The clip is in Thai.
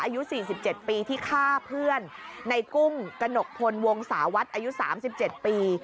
อายุ๔๗ปีที่ฆ่าเพื่อนในกุ้งกระหนกพลวงศาวัดอายุ๓๗ปี